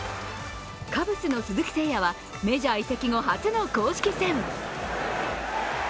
カブスの鈴木誠也はメジャー移籍後、初の公式戦。